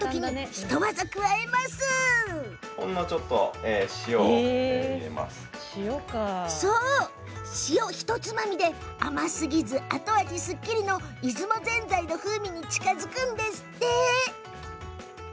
ひとつまみの塩を入れると甘すぎず、後味すっきりの出雲ぜんざいの風味に近づくんですって。